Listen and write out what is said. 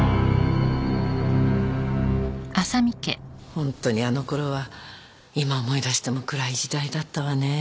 ホントにあのころは今思い出しても暗い時代だったわねぇ。